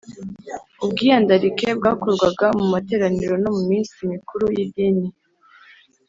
ubwiyandarike bwakorwaga mu materaniro no mu minsi mikuru y’idini,